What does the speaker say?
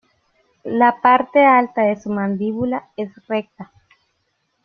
La parte alta de su mandíbula es recta.